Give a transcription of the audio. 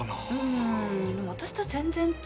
んでも私とは全然違うよね？